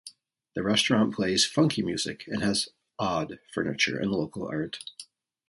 The restaurant plays "funky" music and has "odd" furniture and local art.